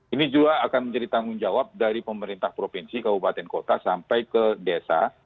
ini juga akan menjadi tanggung jawab dari pemerintah provinsi kabupaten kota sampai ke desa